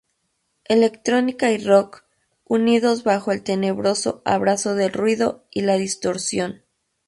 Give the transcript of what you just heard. Electrónica y rock unidos bajo el tenebroso abrazo del ruido y la distorsión.